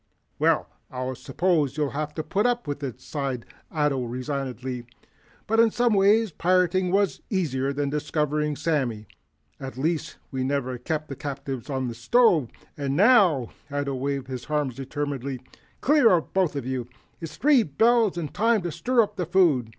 "Well, I suppose I'll have to put up with it," sighed Ato resignedly. "But in some ways pirating was easier than discovering, Sammy. At least, we never kept the captives on the stove. And NOW " Ato waved his arms determinedly. "Clear out, both of you. It's three bells and time to stir up the food.